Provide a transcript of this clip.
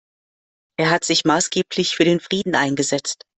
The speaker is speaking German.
Er hat sich maßgeblich für den Frieden eingesetzt.